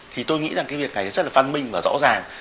thì tôi nghĩ rằng cái việc này rất là văn minh và rõ ràng